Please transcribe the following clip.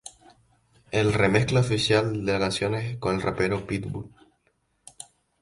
El remezcla oficial de la canción es con el rapero Pitbull.